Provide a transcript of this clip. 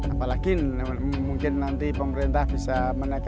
apalagi mungkin nanti pemerintah bisa menaikkan